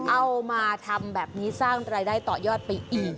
เอามาทำแบบนี้สร้างรายได้ต่อยอดไปอีก